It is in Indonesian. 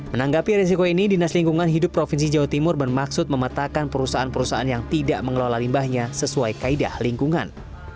menanggapi risiko ini dinas lingkungan hidup provinsi jawa timur bermaksud memetakan perusahaan perusahaan yang tidak mengelola limbahnya sesuai kaedah lingkungan